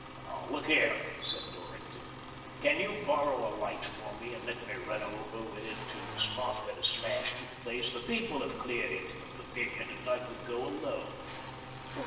" Look here," said Dorrington, " can you borrow a light for me, and let me run over with it to the spot where the smash took place ? The people have cleared into the pavilion, and I could go alone."